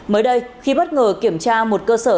mới đây khi bất ngờ kiểm tra một cơ sở